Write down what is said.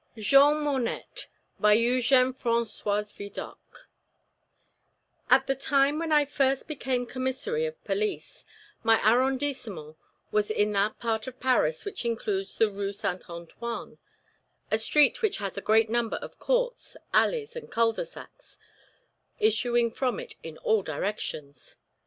JEAN MONETTE BY EUGENE FRANCOIS VIDOCQ At the time when I first became commissary of police, my arrondissement was in that part of Paris which includes the Rue St. Antoine a street which has a great number of courts, alleys, and culs de sac issuing from it in all directions.